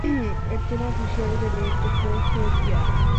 El tema oficial del evento fue ""Hell Yeah"" del grupo Rev Theory